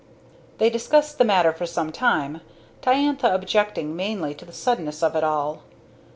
They discussed the matter for some time, Diantha objecting mainly to the suddenness of it all.